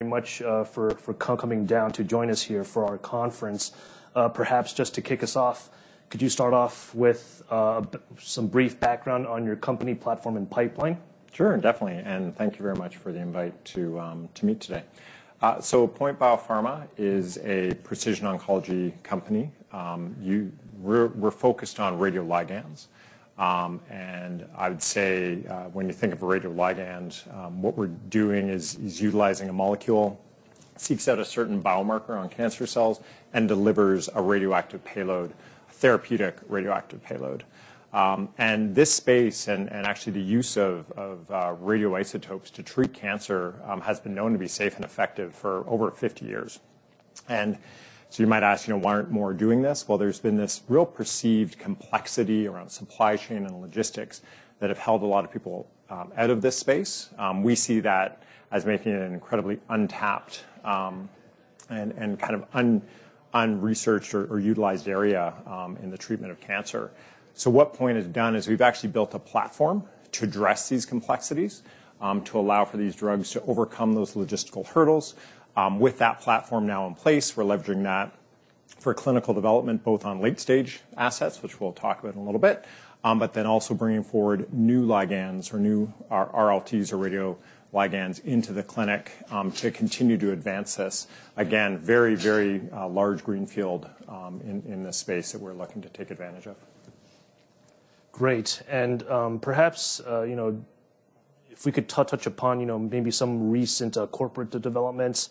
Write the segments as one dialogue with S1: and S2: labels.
S1: Very much, for coming down to join us here for our conference. Perhaps just to kick us off, could you start off with some brief background on your company platform and pipeline?
S2: Sure, definitely. Thank you very much for the invite to meet today. POINT Biopharma is a precision oncology company. We're focused on radioligands. I would say, when you think of a radioligand, what we're doing is utilizing a molecule, seeks out a certain biomarker on cancer cells and delivers a radioactive payload, a therapeutic radioactive payload. This space and actually the use of radioisotopes to treat cancer has been known to be safe and effective for over 50 years. You might ask, you know, "Why aren't more doing this?" Well, there's been this real perceived complexity around supply chain and logistics that have held a lot of people out of this space. We see that as making it an incredibly untapped, and kind of unresearched or utilized area in the treatment of cancer. What POINT has done is we've actually built a platform to address these complexities, to allow for these drugs to overcome those logistical hurdles. With that platform now in place, we're leveraging that for clinical development, both on late-stage assets, which we'll talk about in a little bit, but then also bringing forward new ligands or new RLTs or radioligands into the clinic, to continue to advance this. Again, very, very large greenfield in this space that we're looking to take advantage of.
S1: Great. You know, if we could touch upon, you know, maybe some recent corporate developments.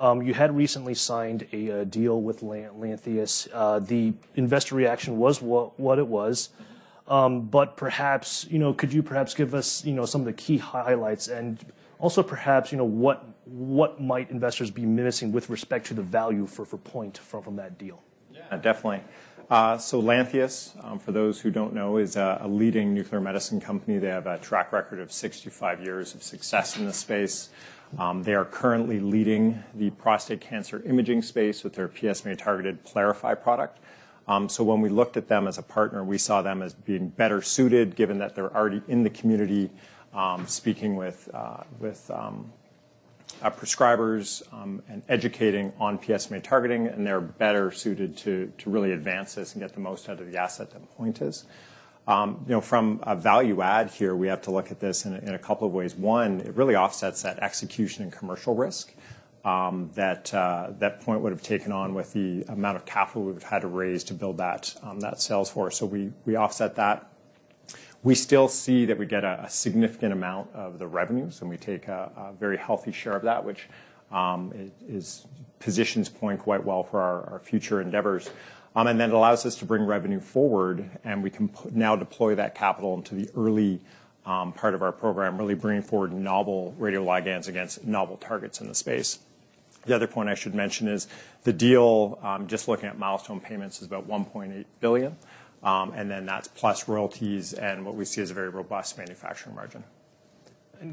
S1: You had recently signed a deal with Lantheus. The investor reaction was what it was. Perhaps, you know, could you perhaps give us, you know, some of the key highlights and also perhaps, you know, what might investors be missing with respect to the value for POINT from that deal?
S2: Yeah, definitely. Lantheus, for those who don't know, is a leading nuclear medicine company. They have a track record of 65 years of success in this space. They are currently leading the prostate cancer imaging space with their PSMA targeted PYLARIFY product. When we looked at them as a partner, we saw them as being better suited given that they're already in the community, speaking with prescribers, and educating on PSMA targeting, and they're better suited to really advance this and get the most out of the asset than POINT is. You know, from a value add here, we have to look at this in a couple of ways. It really offsets that execution and commercial risk that POINT would've taken on with the amount of capital we would've had to raise to build that sales force. We offset that. We still see that we get a significant amount of the revenues, and we take a very healthy share of that, which is positions POINT quite well for our future endeavors. It allows us to bring revenue forward, and we can now deploy that capital into the early part of our program, really bringing forward novel radioligands against novel targets in the space. The other point I should mention is the deal, just looking at milestone payments is about $1.8 billion. That's plus royalties and what we see is a very robust manufacturing margin.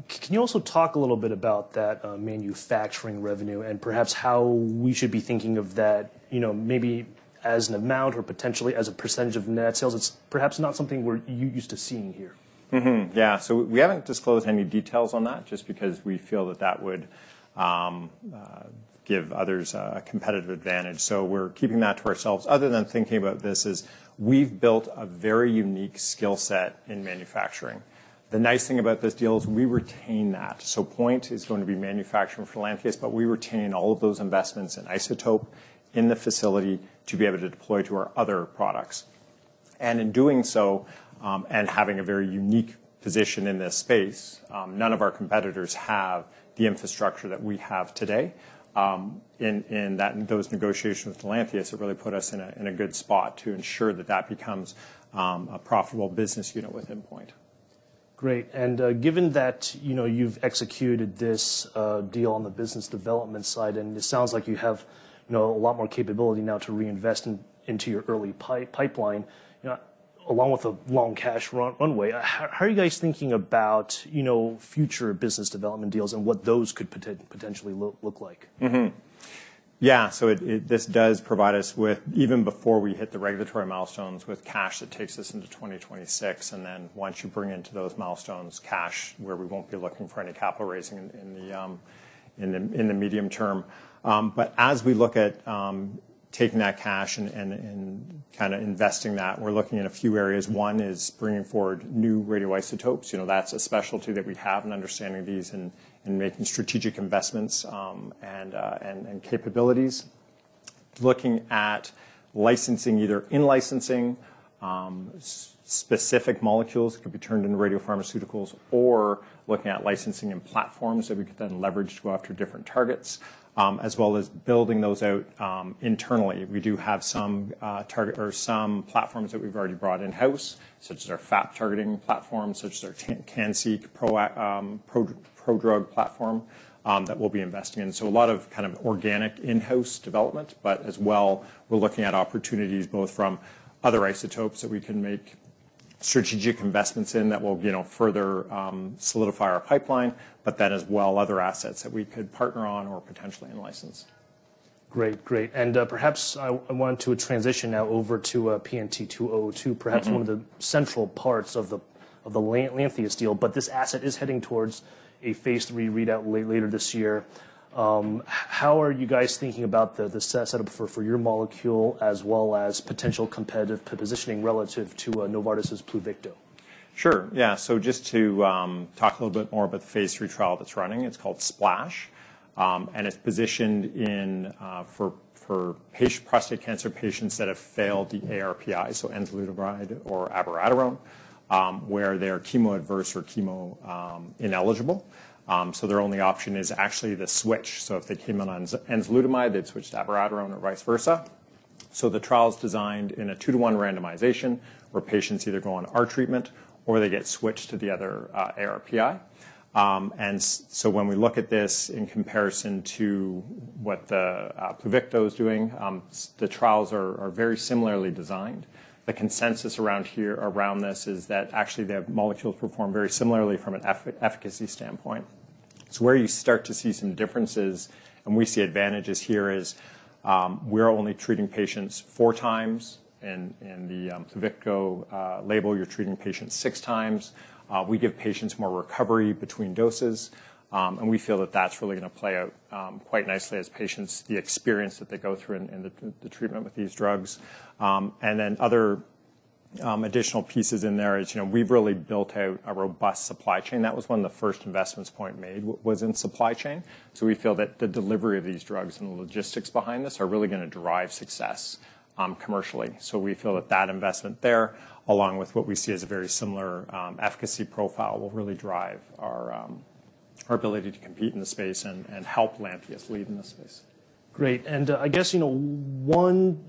S1: Can you also talk a little bit about that manufacturing revenue and perhaps how we should be thinking of that, you know, maybe as an amount or potentially as a % of net sales? It's perhaps not something we're used to seeing here.
S2: Mm-hmm. Yeah. We haven't disclosed any details on that just because we feel that that would give others a competitive advantage. We're keeping that to ourselves. Other than thinking about this is we've built a very unique skill set in manufacturing. The nice thing about this deal is we retain that. POINT is going to be manufacturing for Lantheus, but we retain all of those investments in isotope in the facility to be able to deploy to our other products. In doing so, and having a very unique position in this space, none of our competitors have the infrastructure that we have today. In those negotiations with Lantheus have really put us in a good spot to ensure that that becomes a profitable business unit within POINT.
S1: Great. Given that, you know, you've executed this deal on the business development side, and it sounds like you have, you know, a lot more capability now to reinvest into your early pipeline, you know, along with a long cash runway. How are you guys thinking about, you know, future business development deals and what those could potentially look like?
S2: Yeah. It this does provide us with even before we hit the regulatory milestones with cash that takes us into 2026, and then once you bring into those milestones cash where we won't be looking for any capital raising in the, in the medium term. As we look at taking that cash and kinda investing that, we're looking at a few areas. One is bringing forward new radioisotopes. You know, that's a specialty that we have in understanding these and making strategic investments, and capabilities. Looking at licensing, either in-licensing, specific molecules could be turned into radiopharmaceuticals or looking at licensing and platforms that we could then leverage to go after different targets, as well as building those out internally. We do have some target or some platforms that we've already brought in-house, such as our FAP-targeting platform, such as our CanSEEK prodrug platform, that we'll be investing in. A lot of kind of organic in-house development, but as well, we're looking at opportunities both from other isotopes that we can make strategic investments in that will, you know, further solidify our pipeline, as well other assets that we could partner on or potentially in license.
S1: Great. Great. Perhaps I want to transition now over to PNT2002.
S2: Mm-hmm.
S1: Perhaps one of the central parts of the Lantheus deal, but this asset is heading towards a phase III readout later this year. How are you guys thinking about the setup for your molecule as well as potential competitive positioning relative to Novartis' Pluvicto?
S2: Sure, yeah. Just to talk a little bit more about the phase III trial that's running, it's called SPLASH, and it's positioned in for prostate cancer patients that have failed the ARPI, so enzalutamide or abiraterone, where they're chemo adverse or chemo ineligible. Their only option is actually the switch. If they came in on enzalutamide, they'd switch to abiraterone or vice versa. The trial's designed in a 2:1 randomization, where patients either go on our treatment or they get switched to the other ARPI. When we look at this in comparison to what the Pluvicto is doing, the trials are very similarly designed. The consensus around here, around this is that actually the molecules perform very similarly from an efficacy standpoint. Where you start to see some differences, and we see advantages here, is, we're only treating patients 4x, in the Pluvicto label, you're treating patients 6x. We give patients more recovery between doses, and we feel that that's really gonna play out quite nicely as patients, the experience that they go through in the treatment with these drugs. Other additional pieces in there is, you know, we've really built out a robust supply chain. That was one of the first investments POINT made was in supply chain. We feel that the delivery of these drugs and the logistics behind this are really gonna drive success commercially. We feel that investment there, along with what we see as a very similar efficacy profile, will really drive our ability to compete in the space and help Lantheus lead in the space.
S1: Great. I guess, you know, one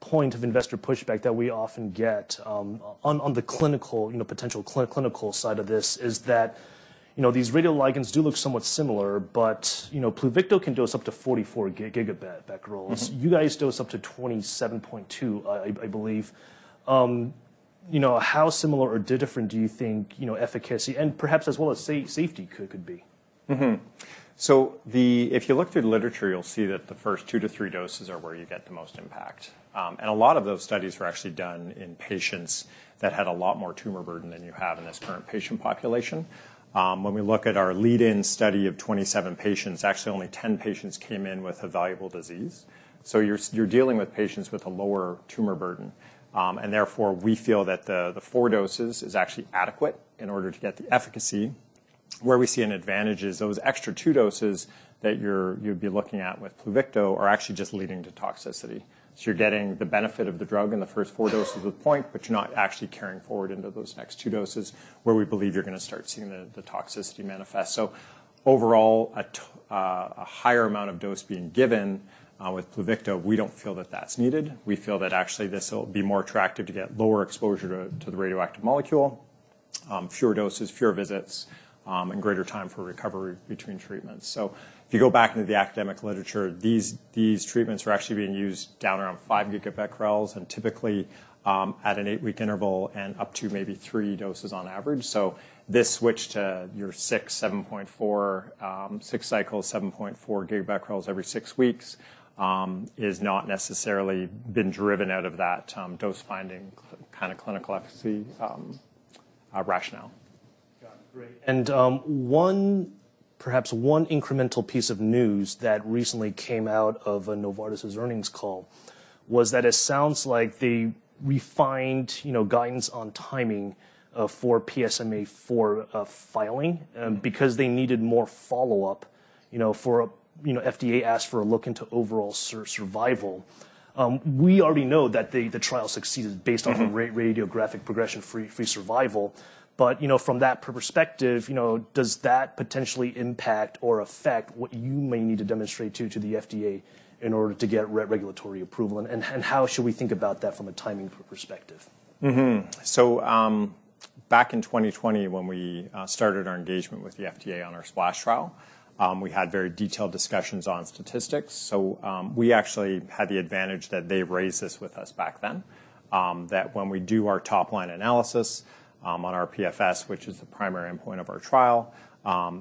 S1: point of investor pushback that we often get, on the clinical, you know, potential clinical side of this is that, you know, these radioligands do look somewhat similar, but, you know, Pluvicto can dose up to 44 GBq.
S2: Mm-hmm.
S1: You guys dose up to 27.2, I believe. you know, how similar or different do you think, you know, efficacy and perhaps as well as safety could be?
S2: If you look through the literature, you'll see that the first two to three doses are where you get the most impact. A lot of those studies were actually done in patients that had a lot more tumor burden than you have in this current patient population. When we look at our lead-in study of 27 patients, actually only 10 patients came in with evaluable disease. You're dealing with patients with a lower tumor burden. Therefore, we feel that the four doses is actually adequate in order to get the efficacy. Where we see an advantage is those extra two doses that you're, you'd be looking at with Pluvicto are actually just leading to toxicity. You're getting the benefit of the drug in the first four doses with POINT, you're not actually carrying forward into those next two doses, where we believe you're gonna start seeing the toxicity manifest. Overall, a higher amount of dose being given with Pluvicto, we don't feel that that's needed. We feel that actually this will be more attractive to get lower exposure to the radioactive molecule, fewer doses, fewer visits, and greater time for recovery between treatments. If you go back into the academic literature, these treatments were actually being used down around 5 GBq and typically at an eight-week interval and up to maybe three doses on average. This switch to your six cycles, 7.4 GBq every six weeks, is not necessarily been driven out of that, dose-finding kind of clinical efficacy, rationale.
S1: Got it. Great. Perhaps one incremental piece of news that recently came out of Novartis' earnings call was that it sounds like they refined, you know, guidance on timing for PSMAfore a filing-
S2: Mm-hmm.
S1: because they needed more follow-up, you know, for a, you know, FDA asked for a look into overall survival. We already know that the trial succeeded based off-
S2: Mm-hmm....
S1: of radiographic progression-free survival. You know, from that perspective, you know, does that potentially impact or affect what you may need to demonstrate to the FDA in order to get regulatory approval and how should we think about that from a timing perspective?
S2: Back in 2020, when we started our engagement with the FDA on our SPLASH trial, we had very detailed discussions on statistics. We actually had the advantage that they've raised this with us back then, that when we do our top line analysis on our PFS, which is the primary endpoint of our trial,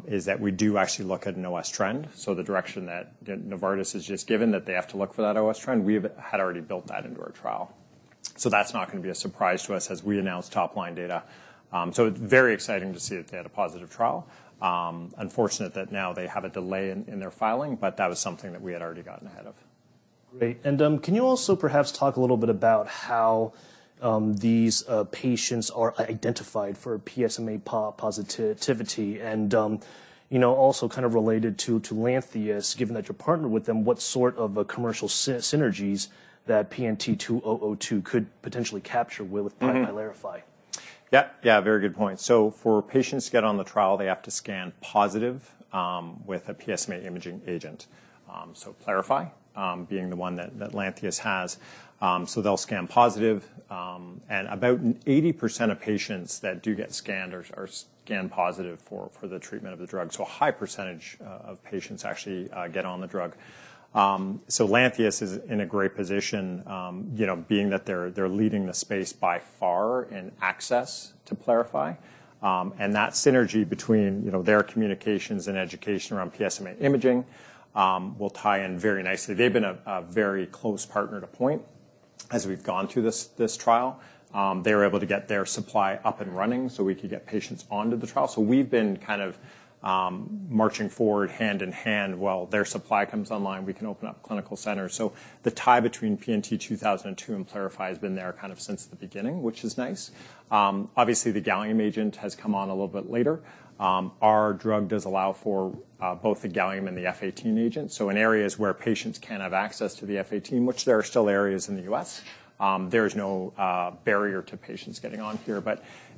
S2: is that we do actually look at an OS trend. The direction that Novartis has just given, that they have to look for that OS trend, we had already built that into our trial. That's not gonna be a surprise to us as we announce top-line data. Very exciting to see that they had a positive trial. Unfortunate that now they have a delay in their filing, but that was something that we had already gotten ahead of.
S1: Great. Can you also perhaps talk a little bit about how these patients are identified for PSMA positivity and, you know, also kind of related to Lantheus, given that you're partnered with them, what sort of a commercial synergies that PNT2002 could potentially capture.
S2: Mm-hmm....
S1: by PYLARIFY?
S2: Yeah, very good point. For patients to get on the trial, they have to scan positive with a PSMA imaging agent. PYLARIFY being the one that Lantheus has. They'll scan positive, and about 80% of patients that do get scanned are scanned positive for the treatment of the drug. A high percentage of patients actually get on the drug. Lantheus is in a great position, you know, being that they're leading the space by far in access to PYLARIFY. That synergy between, you know, their communications and education around PSMA imaging will tie in very nicely. They've been a very close partner to POINT. As we've gone through this trial, they were able to get their supply up and running so we could get patients onto the trial. We've been kind of marching forward hand in hand. While their supply comes online, we can open up clinical centers. The tie between PNT2002 and PYLARIFY has been there kind of since the beginning, which is nice. Obviously the gallium agent has come on a little bit later. Our drug does allow for both the gallium and the F18 agent. In areas where patients can have access to the F18, which there are still areas in the U.S., there is no barrier to patients getting on here.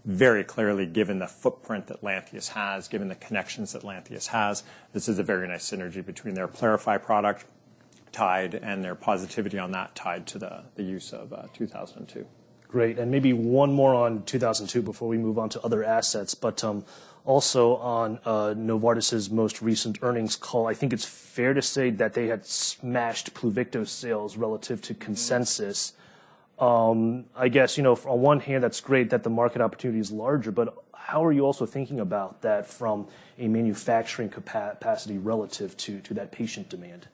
S2: Very clearly, given the footprint that Lantheus has, given the connections that Lantheus has, this is a very nice synergy between their PYLARIFY product tied and their positivity on that tied to the use of PNT2002.
S1: Great. Maybe one more on PNT2002 before we move on to other assets, but, also on Novartis' most recent earnings call. I think it's fair to say that they had smashed Pluvicto sales relative to consensus. I guess, you know, on one hand, that's great that the market opportunity is larger, but how are you also thinking about that from a manufacturing capacity relative to that patient demand?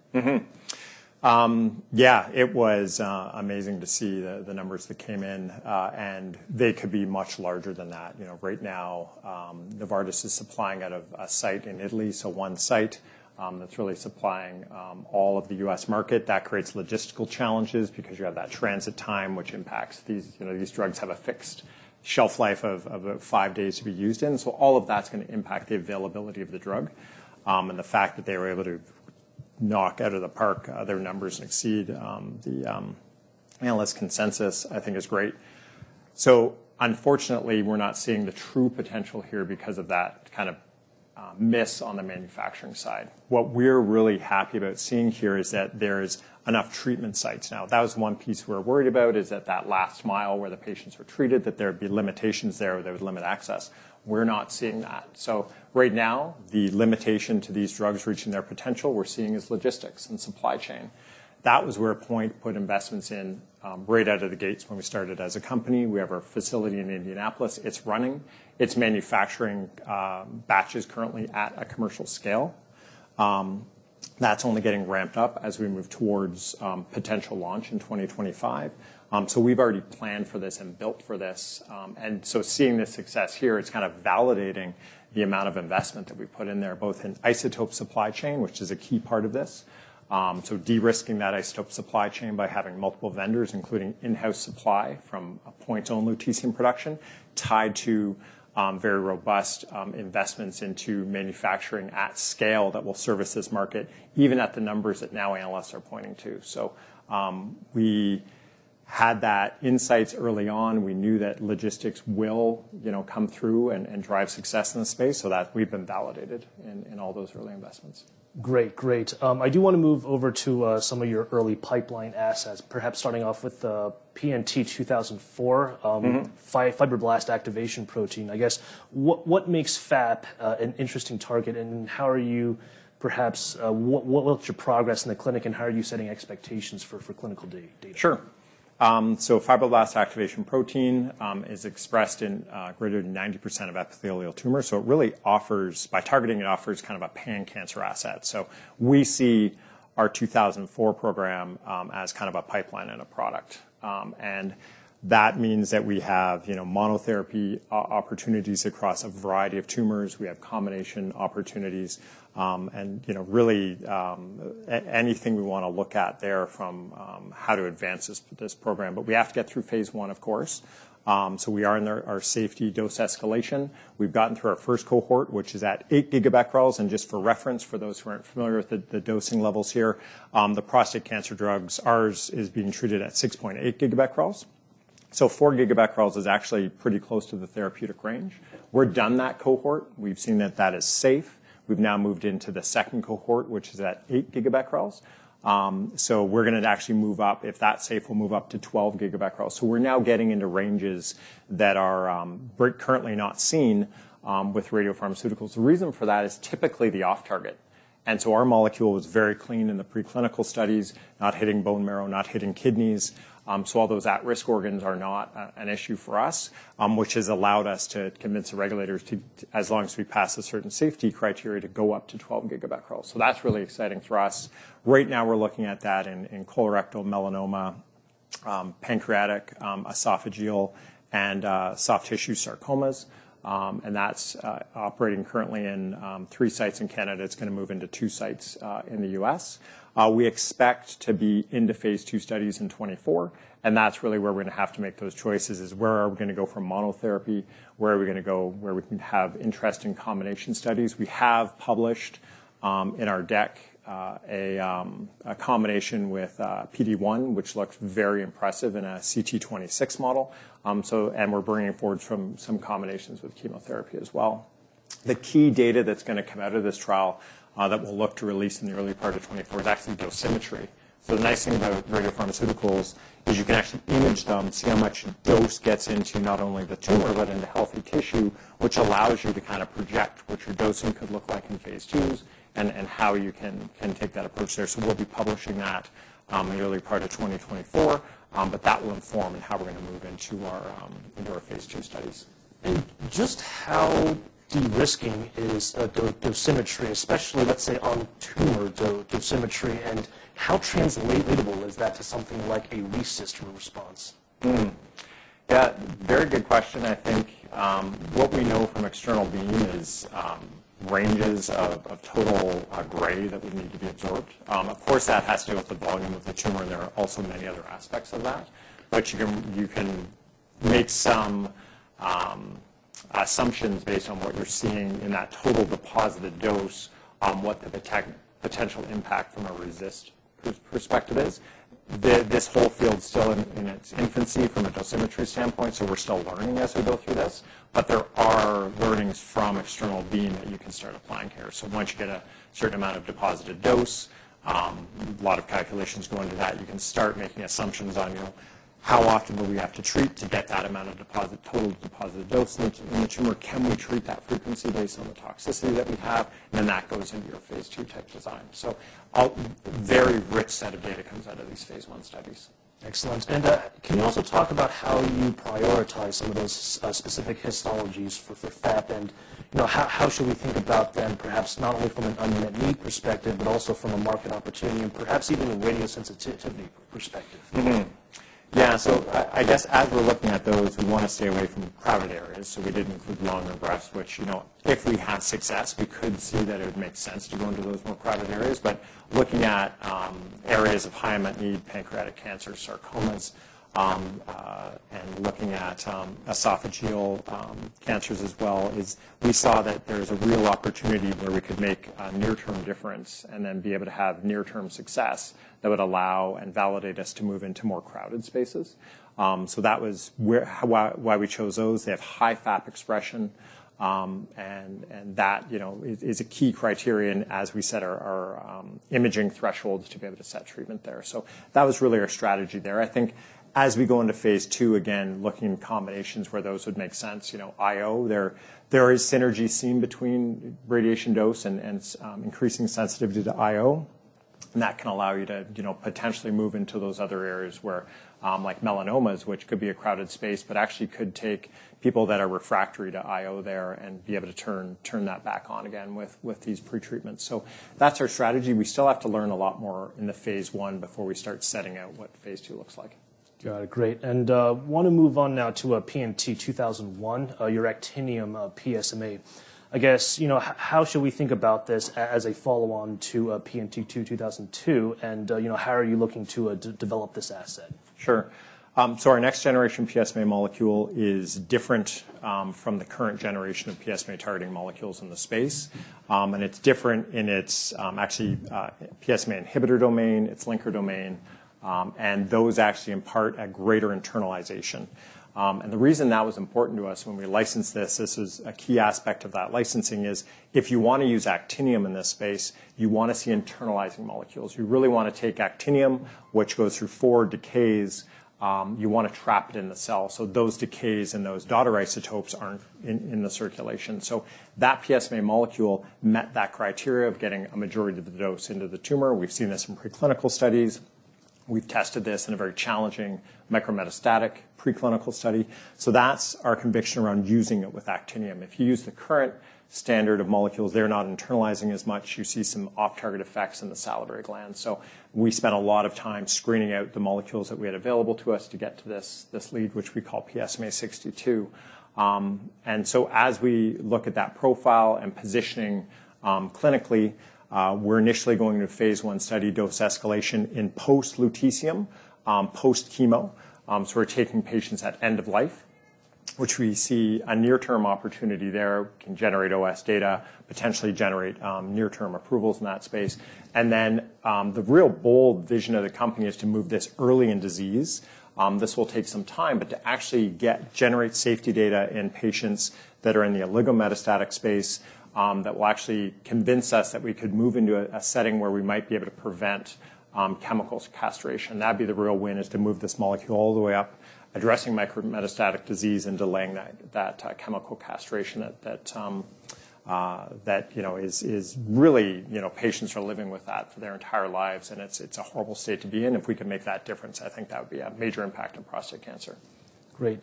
S2: Yeah, it was amazing to see the numbers that came in, they could be much larger than that. You know, right now, Novartis is supplying out of a site in Italy, one site that's really supplying all of the U.S. market. That creates logistical challenges because you have that transit time, which impacts. You know, these drugs have a fixed shelf life of about 5 days to be used in. All of that's gonna impact the availability of the drug, and the fact that they were able to knock out of the park, their numbers and exceed the analyst consensus, I think is great. Unfortunately, we're not seeing the true potential here because of that kind of miss on the manufacturing side. What we're really happy about seeing here is that there's enough treatment sites now. That was the one piece we were worried about, is that that last mile where the patients were treated, that there'd be limitations there, or there would limit access. We're not seeing that. Right now, the limitation to these drugs reaching their potential we're seeing is logistics and supply chain. That was where POINT put investments in, right out of the gates when we started as a company. We have our facility in Indianapolis. It's running. It's manufacturing batches currently at a commercial scale. That's only getting ramped up as we move towards potential launch in 2025. We've already planned for this and built for this. Seeing this success here, it's kind of validating the amount of investment that we put in there, both in isotope supply chain, which is a key part of this. De-risking that isotope supply chain by having multiple vendors, including in-house supply from a POINT's own lutetium production, tied to very robust investments into manufacturing at scale that will service this market even at the numbers that now analysts are pointing to. We had that insights early on. We knew that logistics will, you know, come through and drive success in the space so that we've been validated in all those early investments.
S1: Great. Great. I do wanna move over to some of your early pipeline assets, perhaps starting off with PNT2004-
S2: Mm-hmm....
S1: fibroblast activation protein. I guess, what makes FAP an interesting target, and how are you perhaps, what's your progress in the clinic, and how are you setting expectations for clinical data?
S2: Sure. Fibroblast activation protein is expressed in greater than 90% of epithelial tumors, so it really offers. By targeting, it offers kind of a pan-cancer asset. We see our PNT2004 program as kind of a pipeline and a product. That means that we have, you know, monotherapy opportunities across a variety of tumors. We have combination opportunities, and, you know, really, anything we wanna look at there from how to advance this program. We have to get through phase I, of course. We are in our safety dose escalation. We've gotten through our first cohort, which is at 8 GBq. Just for reference, for those who aren't familiar with the dosing levels here, the prostate cancer drugs, ours is being treated at 6.8 GBq. 4 GBq is actually pretty close to the therapeutic range. We're done that cohort. We've seen that is safe. We've now moved into the second cohort, which is at 8 GBq. We're gonna actually move up. If that's safe, we'll move up to 12 GBq. We're now getting into ranges that are currently not seen with radiopharmaceuticals. The reason for that is typically the off target. Our molecule was very clean in the preclinical studies, not hitting bone marrow, not hitting kidneys. All those at-risk organs are not an issue for us, which has allowed us to convince the regulators to, as long as we pass a certain safety criteria, to go up to 12 GBq. That's really exciting for us. Right now we're looking at that in colorectal melanoma, pancreatic, esophageal, and soft tissue sarcomas. That's operating currently in three sites in Canada. It's gonna move into two sites in the U.S. We expect to be into phase II studies in 2024, and that's really where we're gonna have to make those choices, is where are we gonna go from monotherapy, where are we gonna go where we can have interesting combination studies. We have published in our deck, a combination with PD1, which looks very impressive in a CT26 model. We're bringing it forward from some combinations with chemotherapy as well. The key data that's gonna come out of this trial, that we'll look to release in the early part of 2024 is actually dosimetry. The nice thing about radiopharmaceuticals is you can actually image them, see how much dose gets into not only the tumor, but into healthy tissue, which allows you to kind of project what your dosing could look like in phase IIs and how you can take that approach there. We'll be publishing that in the early part of 2024. That will inform how we're gonna move into our phase II studies.
S1: Just how de-risking is dosimetry, especially, let's say, on tumor dosimetry, and how translatable is that to something like a RECIST response?
S2: Yeah, very good question. I think what we know from external beam is ranges of of total gray that would need to be absorbed. Of course, that has to do with the volume of the tumor, and there are also many other aspects of that. You can, you can make some assumptions based on what you're seeing in that total deposited dose on what the potential impact from a RECIST per-perspective is. This whole field's still in its infancy from a dosimetry standpoint, so we're still learning as we go through this. There are learnings from external beam that you can start applying here. Once you get a certain amount of deposited dose, a lot of calculations go into that. You can start making assumptions on, you know, how often will we have to treat to get that amount of total deposited dose in the tumor? Can we treat that frequency based on the toxicity that we have? That goes into your phase II-type design. A very rich set of data comes out of these phase I studies.
S1: Excellent. Can you also talk about how you prioritize some of those specific histologies for FAP and, you know, how should we think about them, perhaps not only from an unmet need perspective, but also from a market opportunity and perhaps even a radiosensitivity perspective?
S2: Mm-hmm. Yeah. I guess as we're looking at those, we wanna stay away from crowded areas. We didn't include lung or breast, which, you know, if we had success, we could see that it would make sense to go into those more crowded areas. Looking at areas of high unmet need, pancreatic cancer, sarcomas, and looking at esophageal cancers as well is we saw that there's a real opportunity where we could make a near-term difference and then be able to have near-term success that would allow and validate us to move into more crowded spaces. That was why we chose those. They have high FAP expression, and that, you know, is a key criterion as we set our imaging thresholds to be able to set treatment there. That was really our strategy there. As we go into phase II, again, looking at combinations where those would make sense, you know, IO, there is synergy seen between radiation dose and increasing sensitivity to IO, that can allow you to, you know, potentially move into those other areas where, like melanomas, which could be a crowded space, but actually could take people that are refractory to IO there and be able to turn that back on again with these pretreatment. That's our strategy. We still have to learn a lot more in the phase I before we start setting out what phase II looks like.
S1: Got it. Great. Wanna move on now to PNT2001, your actinium, PSMA. I guess, you know, how should we think about this as a follow-on to PNT2002, and, you know, how are you looking to develop this asset?
S2: Sure. Our next generation PSMA molecule is different from the current generation of PSMA targeting molecules in the space. It's different in its PSMA inhibitor domain, its linker domain, and those actually impart a greater internalization. The reason that was important to us when we licensed this is a key aspect of that licensing is if you wanna use actinium in this space, you wanna see internalizing molecules. You really wanna take actinium, which goes through four decays, you wanna trap it in the cell, those decays and those daughter isotopes aren't in the circulation. That PSMA molecule met that criteria of getting a majority of the dose into the tumor. We've seen this in preclinical studies. We've tested this in a very challenging micrometastatic preclinical study. That's our conviction around using it with actinium. If you use the current standard of molecules, they're not internalizing as much. You see some off-target effects in the salivary gland. We spent a lot of time screening out the molecules that we had available to us to get to this lead, which we call PSMA-62. As we look at that profile and positioning, clinically, we're initially going to phase I study dose escalation in post-lutetium, post-chemo. We're taking patients at end of life, which we see a near-term opportunity there. We can generate OS data, potentially generate near-term approvals in that space. The real bold vision of the company is to move this early in disease. This will take some time, but to actually generate safety data in patients that are in the oligometastatic space, that will actually convince us that we could move into a setting where we might be able to prevent chemical castration. That'd be the real win is to move this molecule all the way up, addressing micrometastatic disease and delaying that chemical castration that, you know, is really, you know, patients are living with that for their entire lives, and it's a horrible state to be in. If we could make that difference, I think that would be a major impact on prostate cancer.
S1: Great.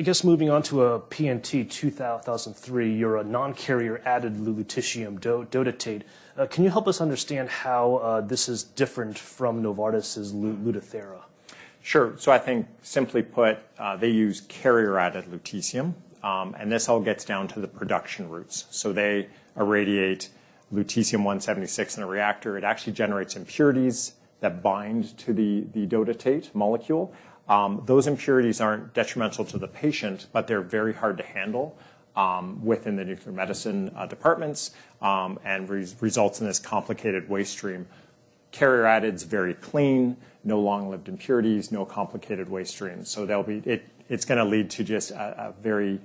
S1: I guess moving on to PNT2003, you're a non-carrier added lutetium dotatate. Can you help us understand how this is different from Novartis' Lutathera?
S2: Sure. I think simply put, they use carrier-added lutetium, and this all gets down to the production routes. They irradiate lutetium-176 in a reactor. It actually generates impurities that bind to the dotatate molecule. Those impurities aren't detrimental to the patient, but they're very hard to handle within the nuclear medicine departments, and results in this complicated waste stream. Carrier-added's very clean, no long-lived impurities, no complicated waste streams. It's gonna lead to just a very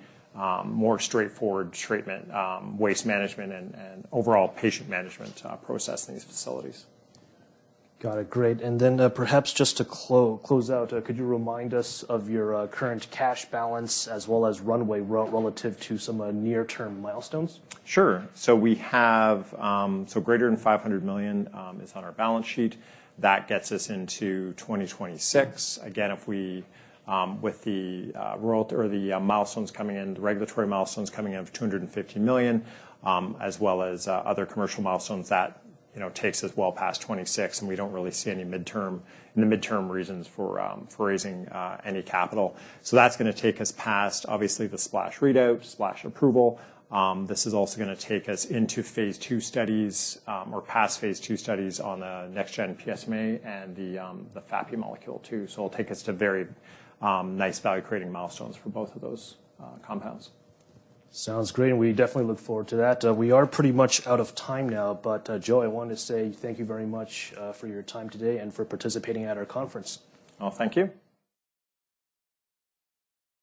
S2: more straightforward treatment, waste management and overall patient management process in these facilities.
S1: Got it. Great. Perhaps just to close out, could you remind us of your current cash balance as well as runway relative to some near-term milestones?
S2: Sure. We have greater than $500 million is on our balance sheet. That gets us into 2026. Again, if we with the milestones coming in, the regulatory milestones coming in of $250 million, as well as other commercial milestones, that, you know, takes us well past 2026, and we don't really see any midterm reasons for raising any capital. That's gonna take us past obviously the SPLASH readout, SPLASH approval. This is also gonna take us into phase II studies or past phase II studies on next-gen PSMA and the FAPI molecule too. It'll take us to very nice value-creating milestones for both of those compounds.
S1: Sounds great, and we definitely look forward to that. We are pretty much out of time now, but, Joe, I want to say thank you very much for your time today and for participating at our conference.
S2: Oh, thank you.